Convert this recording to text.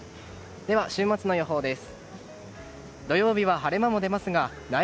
では週末の予報です。